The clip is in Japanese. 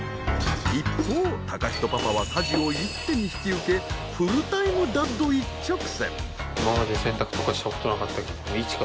一方貴仁パパは家事を一手に引き受けフルタイムダッド一直線。